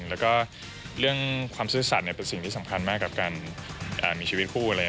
แล้วก็เรื่องความซื่อสัตว์เป็นสิ่งที่สำคัญมากกับการมีชีวิตคู่อะไรอย่างนี้